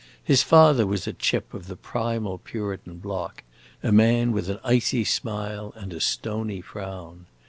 His father was a chip of the primal Puritan block, a man with an icy smile and a stony frown.